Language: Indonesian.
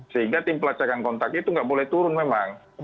sehingga tim pelacakan kontak itu nggak boleh turun memang